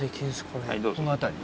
この辺り。